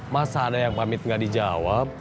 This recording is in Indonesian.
masa ada yang pamit nggak dijawab